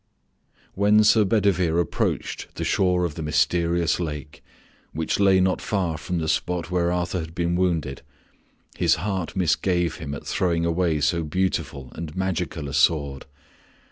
When Sir Bedivere approached the shore of the mysterious lake, which lay not far from the spot where Arthur had been wounded, his heart misgave him at throwing away so beautiful and magical a sword.